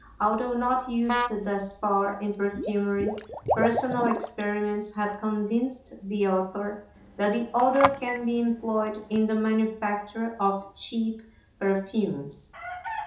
Although not used thus far in perfumery, personal experiments have convinced the author that the odor can be employed in the manufacture of cheap perfumes.